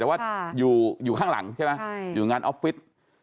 แต่ว่าอยู่ข้างหลังใช่ไหมอยู่งานออฟฟิศ